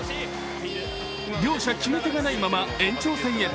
両者決め手がないまま延長戦へ。